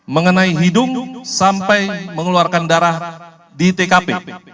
mengenai hidung sampai mengeluarkan darah di tkp